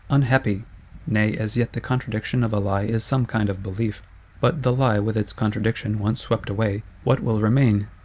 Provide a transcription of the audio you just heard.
Unhappy! Nay, as yet the Contradiction of a Lie is some kind of Belief; but the Lie with its Contradiction once swept away, what will remain?